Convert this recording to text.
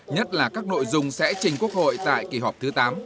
nhất là các nội dung sẽ trình quốc hội tại kỳ họp thứ tám